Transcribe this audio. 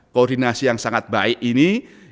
koordinasi yang sangat baik ini